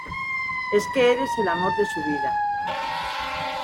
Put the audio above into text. es que eres el amor de su vida.